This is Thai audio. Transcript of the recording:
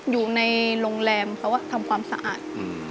อยู่ในโรงแรมเขาทำความสะอาด